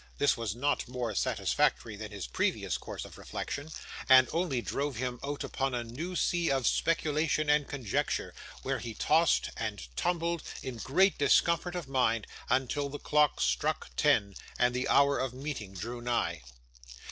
This was not more satisfactory than his previous course of reflection, and only drove him out upon a new sea of speculation and conjecture, where he tossed and tumbled, in great discomfort of mind, until the clock struck ten, and the hour of meeting drew nigh.